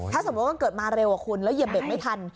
ถ้าสมมุติว่าเกิดมาเร็วคุณแล้วเหยียบเบรกไม่ทัน